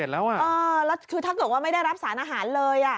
แล้วคือถ้าเกิดว่าไม่ได้รับสารอาหารเลย